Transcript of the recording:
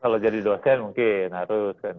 kalau jadi dosen mungkin harus kan